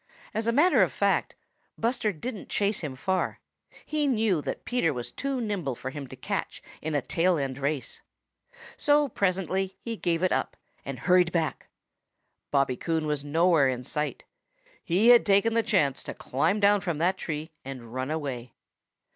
As a matter of fact, Buster didn't chase him far. He knew that Peter was too nimble for him to catch in a tail end race. So presently he gave it up and hurried back. Bobby Coon was nowhere in sight. He had taken the chance to climb down from that tree and run away.